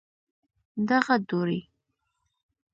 دغه دوړي